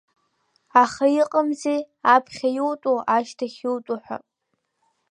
Аха иҟамзи, аԥхьа иутәу, ашьҭахь иутәу ҳәа.